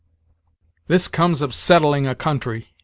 "This comes of settling a country!"